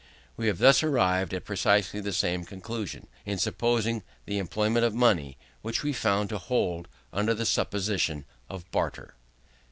We have thus arrived at precisely the same conclusion, in supposing the employment of money, which we found to hold under the supposition of barter.